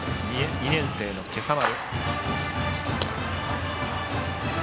２年生の今朝丸。